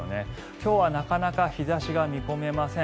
今日はなかなか日差しが見込めません。